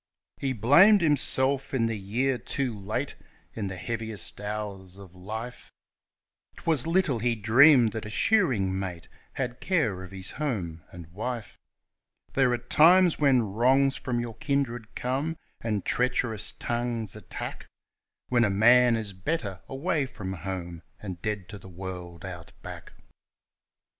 He blamed himself in the year 'Too Late' in the heaviest hours of life 'Twas little he dreamed that a shearing mate had care of his home and wife; There are times when wrongs from your kindred come, and treacherous tongues attack When a man is better away from home, and dead to the world, Out Back.